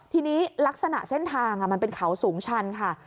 ทีนี้ลักษณะเส้นทางมันเป็นเขาสูงชันค่ะ